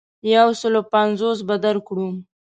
یو سلو پنځوس به درکړو.